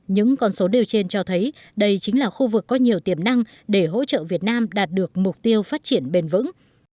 những con số đều trên cho thấy đây chính là khu vực có nhiều tiềm năng để hỗ trợ việt nam đạt được mục tiêu phát triển bền vững